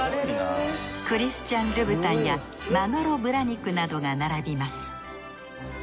クリスチャンルブタンやマノロブラニクなどが並びます